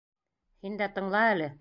Һин дә тыңла әле.